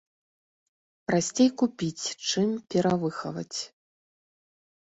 Прасцей купіць, чым перавыхаваць?